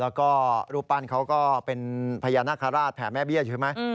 แล้วก็รูปปั้นเขาก็เป็นพญานาคาราชแผ่แม่เบี้ยอยู่ใช่ไหม